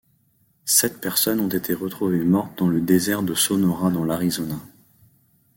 Sept personnes ont été retrouvées mortes dans le désert de Sonora dans l'Arizona.